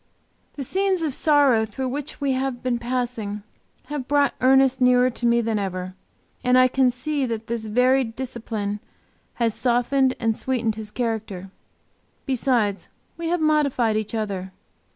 The scenes of sorrow through which we have been passing have brought Ernest nearer to me than ever, and I can see that this varied discipline has softened and sweetened his character. Besides, we have modified each other.